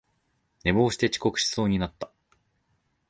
寝坊して遅刻しそうになった